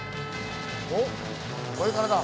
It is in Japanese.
おっこれからだ。